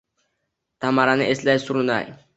Tamarani eslaydi surnay.